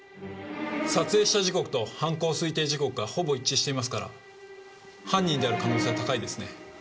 撮影した時刻と犯行推定時刻がほぼ一致していますから犯人である可能性は高いですね。